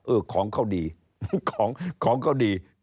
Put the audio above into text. เออของเขาดี